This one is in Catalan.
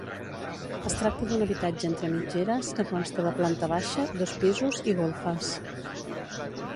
Es tracta d'un habitatge entre mitgeres que consta de planta baixa, dos pisos i golfes.